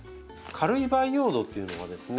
軽い培養土というのはですね